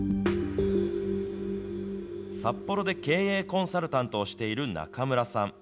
札幌で経営コンサルタントをしている中村さん。